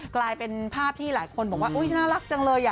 กลายเป็นภาพที่หลายคนบอกว่าอุ๊ยน่ารักจังเลย